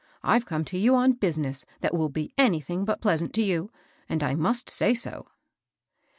" I've come to you on business that will be anything but pleasant to you, and I must say 80."